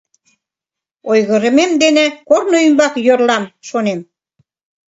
— Ойгырымем дене корно ӱмбак йӧрлам, шонем.